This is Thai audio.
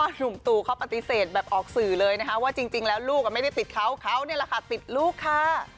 หนุ่มตูเขาปฏิเสธแบบออกสื่อเลยนะคะว่าจริงแล้วลูกไม่ได้ติดเขาเขานี่แหละค่ะติดลูกค่ะ